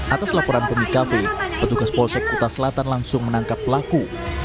atas laporan pemilik kafe petugas polsek kuta selatan langsung menangkap pelaku